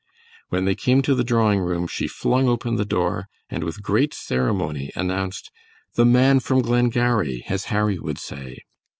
When they came to the drawing room she flung open the door and with great ceremony announced "The man from Glengarry, as Harry would say."